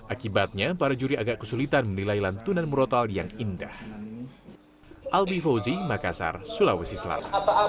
akibatnya para juri agak kesulitan menilai lantunan murotal yang indah